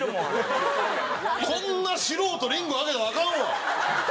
こんな素人リング上げたらアカンわ！